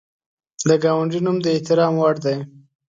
د ګاونډي نوم د احترام وړ دی